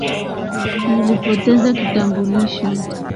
Nilipoteza kitambulisho